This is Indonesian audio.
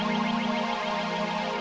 kamila kamila mau beres beres